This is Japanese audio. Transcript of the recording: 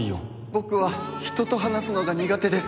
僕は人と話すのが苦手です